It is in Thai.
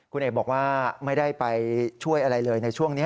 คุณเอกบอกว่าไม่ได้ไปช่วยอะไรเลยในช่วงนี้